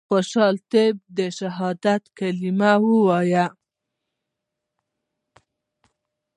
خوشحال طیب د شهادت کلمه ویله.